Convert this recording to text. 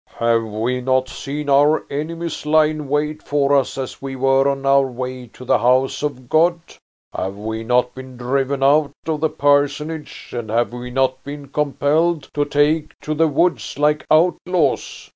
"Have we not seen our enemies lie in wait for us as we were on our way to the house of God? Have we not been driven out of the parsonage, and have we not been compelled to take to the woods like outlaws?